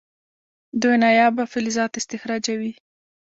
دوی نایابه فلزات استخراجوي.